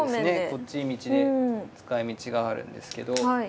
こっち使いみちがあるんですけど。